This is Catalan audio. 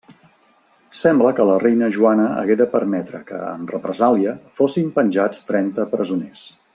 Sembla que la reina Joana hagué de permetre que, en represàlia, fossin penjats trenta presoners.